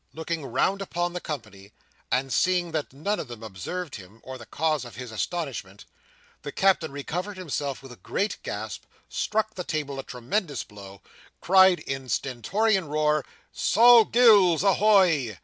Looking round upon the company, and seeing that none of them observed him or the cause of his astonishment, the Captain recovered himself with a great gasp, struck the table a tremendous blow, cried in a stentorian roar, "Sol Gills ahoy!"